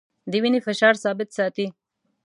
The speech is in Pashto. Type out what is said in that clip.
د وینې فشار ثابت ساتي.